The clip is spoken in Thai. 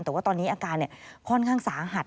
แต่ว่าตอนนี้อาการค่อนข้างสาหัส